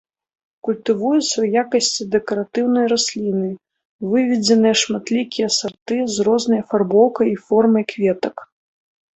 Культывуецца ў якасці дэкаратыўнай расліны, выведзеныя шматлікія сарты з рознай афарбоўкай і формай кветак.